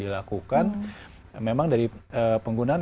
dilakukan memang dari penggunaan